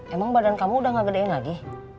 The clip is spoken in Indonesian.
emang badan kamu udah ga gedein lagi